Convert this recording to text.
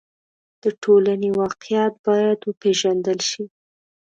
د ټولنې واقعیت باید وپېژندل شي.